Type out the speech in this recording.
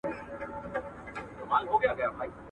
پر هندو او مسلمان یې سلطنت وو!